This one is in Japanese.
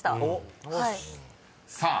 ［さあ